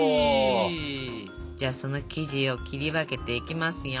じゃあその生地を切り分けていきますよ。